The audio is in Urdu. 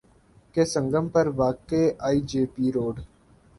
کے سنگم پر واقع آئی جے پی روڈ